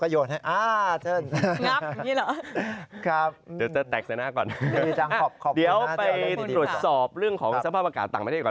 มีรีชังขอบคุณมากเจอนั่นดีค่ะเดี๋ยวไปตรวจสอบเรื่องของสภาพอากาศต่างประเทศก่อน